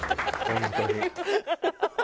本当に。